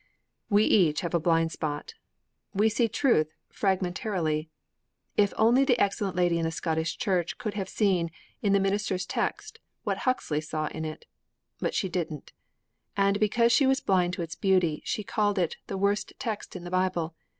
VI We each have a blind spot. We see truth fragmentarily. If only the excellent lady in the Scottish church could have seen, in the minister's text, what Huxley saw in it! But she didn't; and, because she was blind to its beauty, she called it '_the worst text in the Bible!